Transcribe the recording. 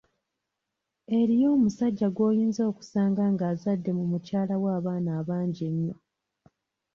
Eriyo omusajja gw’oyinza okusanga ng’azadde mu mukyala we abaana abangi ennyo.